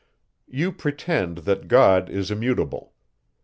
You pretend, that God is immutable!